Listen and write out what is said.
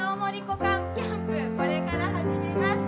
これから始めます。